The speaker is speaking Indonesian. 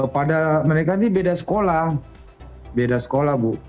pada mereka ini beda sekolah